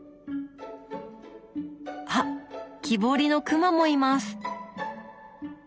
あっ木彫りの熊もいます！